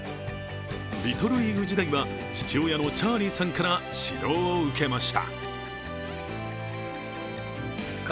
リトルリーグ時代は父親のチャーリーさんから指導を受けました。